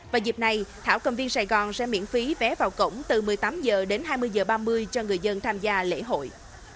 và dịp này thảo cầm viên sài gòn sẽ miễn phí vé vào cổng từ một mươi tám h đến hai mươi h ba mươi cho người dân tham gia lễ hội